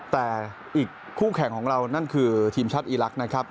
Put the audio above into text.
แต่อีกคู่แข่งของเรานั่นคือทีมชาติอีลักษณ์นะครับ